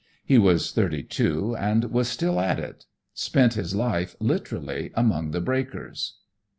He was thirty two and was still at it; spent his life, literally, among the breakers.